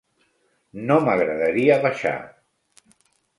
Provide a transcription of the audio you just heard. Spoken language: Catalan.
No m'agradaria baixar.